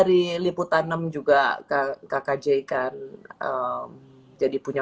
jadi punya panggungnya juga kakak j kan jadi punya panggungnya juga kakak j kan jadi punya panggungnya